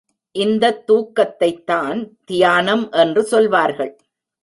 இந்தத் தூக்கத்தைத்தான் தியானம் என்று சொல்வார்கள்.